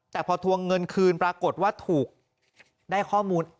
แต่พอทวงเงินคืนปรากฏว่าถูกได้ข้อมูล